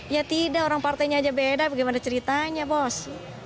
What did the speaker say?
ya tidak orang partainya aja beda bagaimana ceritanya bos